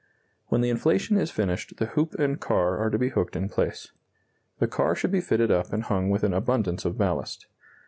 When the inflation is finished the hoop and car are to be hooked in place. The car should be fitted up and hung with an abundance of ballast.